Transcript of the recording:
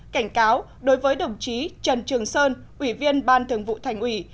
cảnh cáo đối với đồng chí trần trường sơn ủy viên ban thường vụ thành ủy